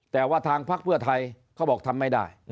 แต่ว่าทางพักเพื่อไทยเขาบอกทำไม่ได้